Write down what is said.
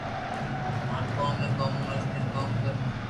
ماروڪوم ھي ڪومن وائس تي ڪوم ڪروُ